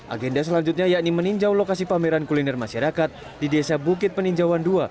agenda selanjutnya yakni meninjau lokasi pameran kuliner masyarakat di desa bukit peninjauan dua